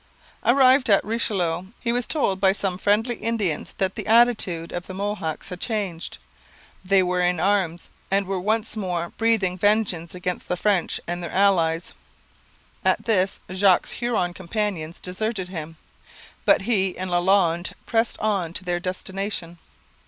Arrived at the Richelieu, he was told by some friendly Indians that the attitude of the Mohawks had changed. They were in arms, and were once more breathing vengeance against the French and their allies. At this Jogues's Huron companions deserted him, but he and Lalande pressed on to their destination.